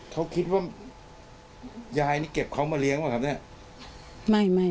เขาคิดว่ายายนี่เก็บเขามาเลี้ยงป่ะครับเนี่ย